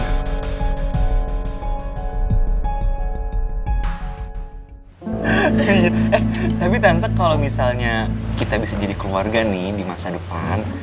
hahaha tapi tante kalau misalnya kita bisa jadi keluarga nih di masa depan